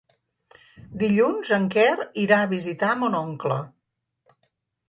Dilluns en Quer irà a visitar mon oncle.